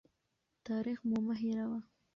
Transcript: تاریخ مو مه هېروه.